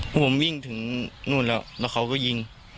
พวกผมวิ่งถึงนู่นแล้วแล้วเขาก็ยิง